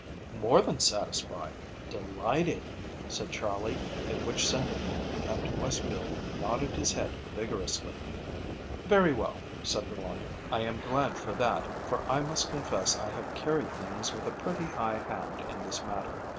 "More than satisfied delighted," said Charley, at which sentiment Captain Westfield nodded his head vigorously. "Very well," said the lawyer. "I am glad of that, for I must confess I have carried things with a pretty high hand in this matter.